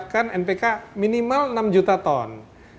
ini harus bisa menyiapkan npk minimal enam juta ton